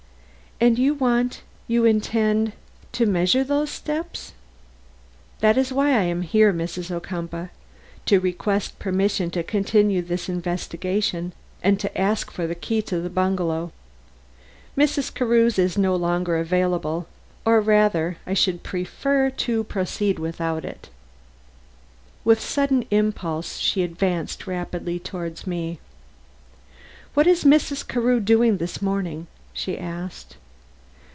"And you want you intend, to measure those steps?" "That is why I am here, Mrs. Ocumpaugh. To request permission to continue this investigation and to ask for the key to the bungalow. Mrs. Carew's is no longer available; or rather, I should prefer to proceed without it." With sudden impulse she advanced rapidly toward me. "What is Mrs. Carew doing this morning?" she asked.